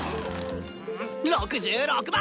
６６番！